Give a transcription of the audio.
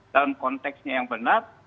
dalam konteksnya yang benar